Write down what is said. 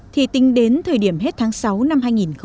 thì tính đến thời điểm hết tháng sáu năm hai nghìn hai mươi